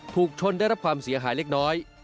ถูกชนได้รับความเสียหายเล็กน้อย